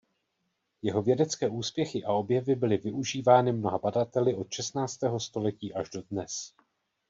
Jeho vědecké úspěchy a objevy byly využívány mnoha badateli od šestnáctého století až dodnes.